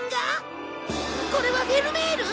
これはフェルメール？